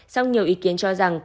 sau nhiều ý kiến cho rằng